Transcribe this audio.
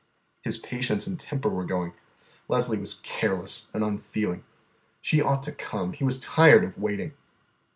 His patience and his temper were going. Leslie was careless and unfeeling. She ought to come; he was tired of waiting.